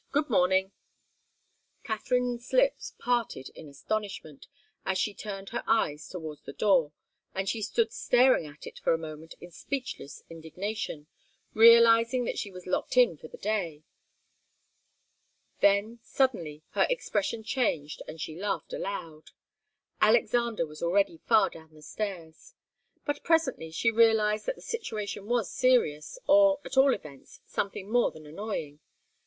Good morning." Katharine's lips parted in astonishment, as she turned her eyes towards the door, and she stood staring at it for a moment in speechless indignation, realizing that she was locked in for the day. Then, suddenly, her expression changed, and she laughed aloud. Alexander was already far down the stairs. But presently she realized that the situation was serious, or, at all events, something more than annoying.